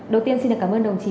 đầu tiên xin cảm ơn đồng chí